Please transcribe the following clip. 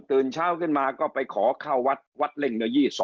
ตื่นเช้าขึ้นมาก็ไปขอข้าววัดวัดเล่ง๒๒